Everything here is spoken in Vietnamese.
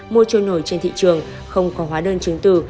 mua trôi nổi trên thị trường không có hóa đơn chứng từ